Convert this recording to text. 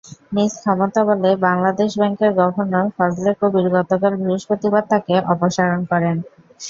নিজ ক্ষমতাবলে বাংলাদেশ ব্যাংকের গভর্নর ফজলে কবির গতকাল বৃহস্পতিবার তাঁকে অপসারণ করেন।